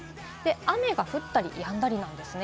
雨が降ったりやんだりなんですね。